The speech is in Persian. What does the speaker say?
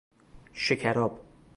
شکر آب